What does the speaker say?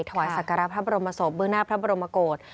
ถวายสักการะพระบรมศพเบื้องหน้าพระบรมโกศ